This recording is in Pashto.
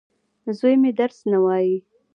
زوی مي درس نه وايي.